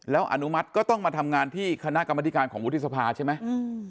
แล้วอนุมัติก็ต้องมาทำงานที่คณะกรรมธิการของวุฒิสภาใช่ไหม